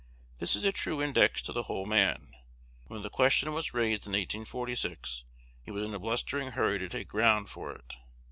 This is a true index to the whole man. When the question was raised in 1846, he was in a blustering hurry to take ground for it.